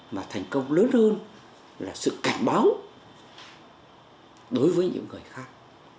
mà thành công lớn hơn là sự cảnh báo đối với những người khác